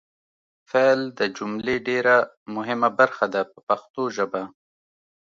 فعل د جملې ډېره مهمه برخه ده په پښتو ژبه.